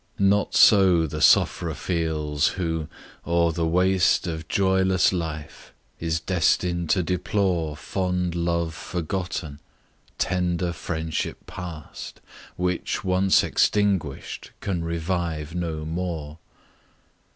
Not so the sufferer feels, who, o'er the waste Of joyless life, is destin'd to deplore Fond love forgotten, tender friendship past, Which, once extinguish'd, can revive no more!